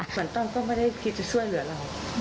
ต้อมก็ไม่ได้คิดจะช่วยเหลือเรา